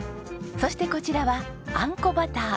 そしてこちらはあんこバター。